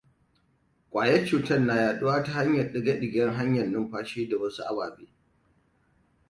Kwayan cutar na yaɗuwa ta ɗigaggan hanyar numfashi da wasu ababe.